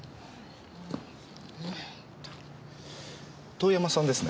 遠山さんですね？